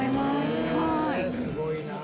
すごいなぁ。